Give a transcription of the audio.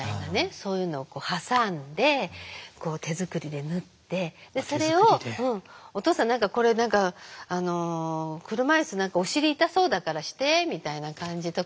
そういうのを挟んで手作りで縫ってでそれを「お父さん何かこれ車椅子お尻痛そうだからして」みたいな感じとかで。